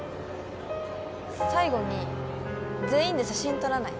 最後に全員で写真撮らない？